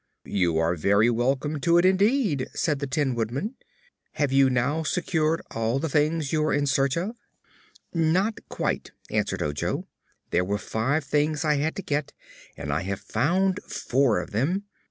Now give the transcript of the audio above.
"You are very welcome to it, indeed," said the Tin Woodman. "Have you now secured all the things you were in search of?" "Not quite all," answered Ojo. "There were five things I had to get, and I have found four of them.